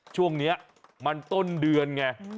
ช่วงนี้มันต้นเดือนไง